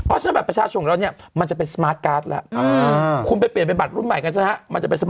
อันนี้คือสิ่งที่เรากำลังกลัวกันอยู่เราก็ต้องนำมาเสนอ